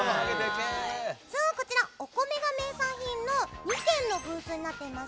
こちら、お米が名産品の２県のブースになっています。